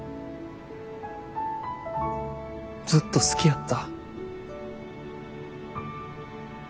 ずっと好きやった。